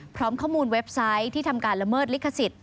พร้อมข้อมูลเว็บไซต์ที่ทำการละเมิดลิขสิทธิ